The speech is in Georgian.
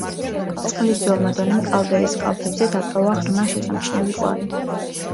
წყლის ძველმა დონემ კალდერის კალთებზე დატოვა ღრმა, შესამჩნევი კვალი.